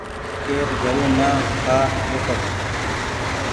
ڪير گھرون نا کآ ٻوکر